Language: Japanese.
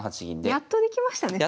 やっとできましたね